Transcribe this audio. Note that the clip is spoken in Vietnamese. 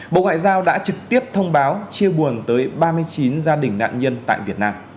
bộ ngoại giao đã trực tiếp thông báo chia buồn tới ba mươi chín gia đình nạn nhân tại việt nam